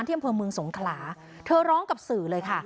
ที่อำเภอเมืองสคลาร้องกับสื่อเลยค่ะ